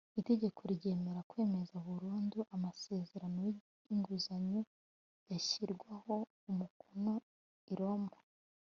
Itegeko ryemera kwemeza burundu amasezerano y inguzanyo yashyiriweho umukono i roma